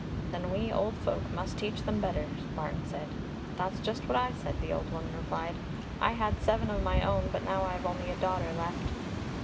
"Then we old folk must teach them better," Martin said. "That's just what I said," the old woman replied. "I had seven of my own, but now I've only a daughter left."